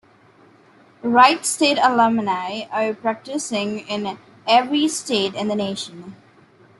Wright State alumni are practicing in every state in the nation.